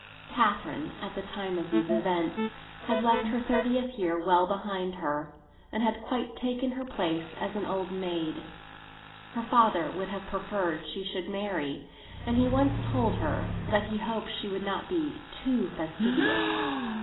Catherine, at the time of these events, had left her thirtieth year well behind her, and had quite taken her place as an old maid. Her father would have preferred she should marry, and he once told her that he hoped she would not be too fastidious.